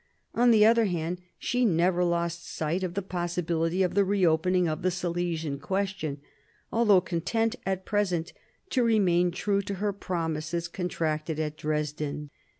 On the other hand, she never lost sight of the possibility of the reopening of the Silesian question, although content at present to remain true to her promises contracted at Dresden.